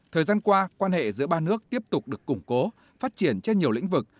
thời gian qua quan hệ giữa ba nước tiếp tục được củng cố phát triển trên nhiều lĩnh vực